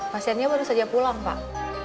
pasiennya baru saja pulang pak